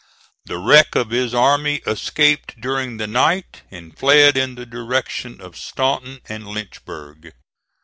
The wreck of his army escaped during the night, and fled in the direction of Staunton and Lynchburg.